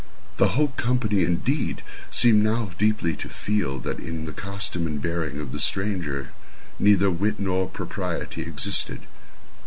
The whole company, indeed, seemed now deeply to feel that in the costume and bearing of the stranger neither wit nor propriety existed.